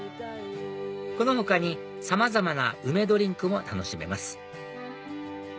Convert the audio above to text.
この他にさまざまな梅ドリンクも楽しめます